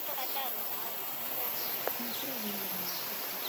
Samotný prostor sedadel počítal i s dostatečným místem pro umístění padáků.